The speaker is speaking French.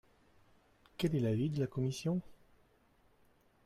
Quel est l’avis de la commission?